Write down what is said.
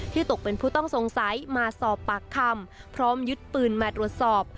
ตกเป็นผู้ต้องสงสัยมาสอบปากคำพร้อมยึดปืนมาตรวจสอบ